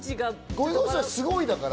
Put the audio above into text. すごいだから。